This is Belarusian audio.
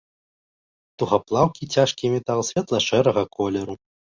Тугаплаўкі цяжкі метал светла-шэрага колеру.